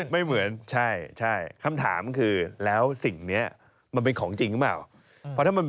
ไม่เหมือนใช่คำถามคือแล้วสิ่งนี้มันเป็นของจริงหรือเปล่า